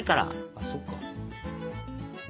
あっそっか。